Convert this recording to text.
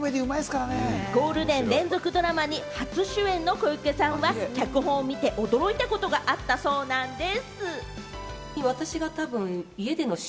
ゴールデン連続ドラマに初主演の小池さんは、脚本を見て驚いたことがあったそうなんです。